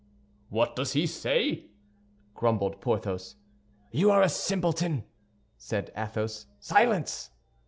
"What does he say?" grumbled Porthos. "You are a simpleton," said Athos. "Silence!"